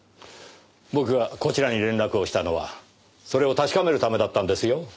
僕がこちらに連絡をしたのはそれを確かめるためだったんですよ。